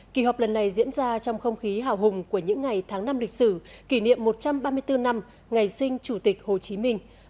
kỳ họp lần này diễn ra trong không khí hào hùng của những ngày tháng năm lịch sử kỷ niệm một trăm ba mươi bốn năm ngày sinh chủ tịch hồ chí minh